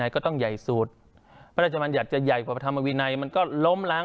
ก็ต้องใหญ่สุดมันจะมาพยายามครบประธามวินัยมันก็ล้อมล้าง